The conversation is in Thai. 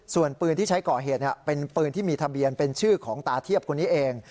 ส่วนปืนที่ใช้ก่อเหตุเป็นปืนที่มีทะเบียนเป็นชื่อของตาเทียบคนนี้เอง